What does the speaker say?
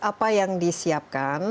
apa yang disiapkan